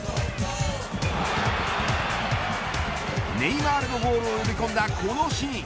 ネイマールのゴールを呼び込んだこのシーン。